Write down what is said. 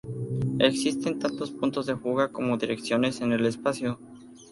Existen tantos puntos de fuga como direcciones en el espacio.